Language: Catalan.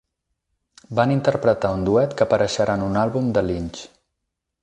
Van interpretar un duet que apareixerà en un àlbum de Lynch.